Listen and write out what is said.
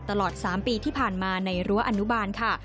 ตลอด๓ปีที่ผ่านมาในรั้วอนุบาลค่ะ